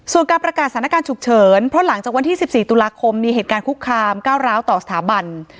ส่วนการประกาศสถานการณ์ฉุกเฉินเพราะหลังจากวันที่๑๔ตุลาคมมีเหตุการณ์คุกคามก้าวร้าวต่อสถาบัน